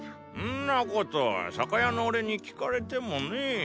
ンなこと酒屋の俺に聞かれてもねェ。